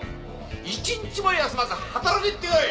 １日も休まず働けってかい！